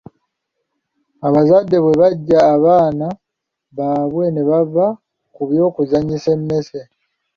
Abazadde bwe bajja abaana baabwe ne bava ku by’okuzannyisa emmese.